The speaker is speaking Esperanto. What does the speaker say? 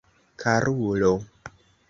karulo